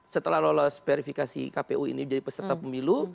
setelah lolos verifikasi kpu ini menjadi peserta pemilu